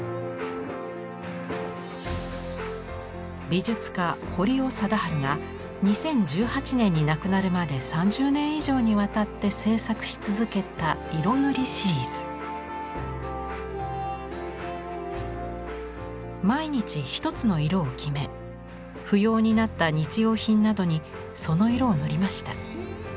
美術家堀尾貞治が２０１８年に亡くなるまで３０年以上にわたって制作し続けた毎日１つの色を決め不要になった日用品などにその色を塗りました。